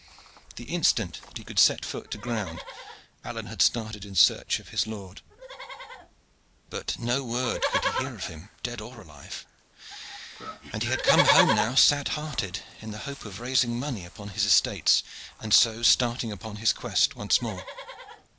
The instant that he could set foot to ground Alleyne had started in search of his lord, but no word could he hear of him, dead or alive, and he had come home now sad hearted, in the hope of raising money upon his estates and so starting upon his quest once more.